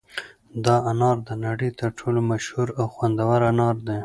دا انار د نړۍ تر ټولو مشهور او خوندور انار دي.